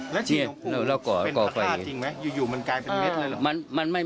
แล้วที่ลูกปู่เป็นภาษาจริงไหมอยู่มันกลายเป็นเม็ดเลยหรอ